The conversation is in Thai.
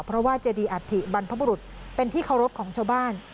เพราะว่าเจดีอัฐิบรรพบุรุษเป็นที่เคารพของชาวบ้าน